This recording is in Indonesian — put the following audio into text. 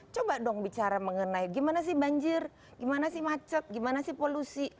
coba dong bicara mengenai gimana sih banjir gimana sih macet gimana sih polusi